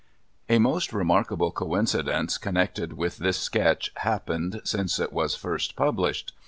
A most remarkable coincidence connected with this sketch happened since it was first published.